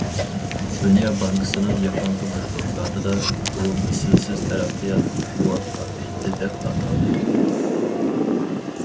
دۇنيا بانكىسىنىڭ يېقىنقى بىر دوكلاتىدا، بۇ-« مىسلىسىز تەرەققىيات مۇۋەپپەقىيىتى» دەپ ئاتالدى.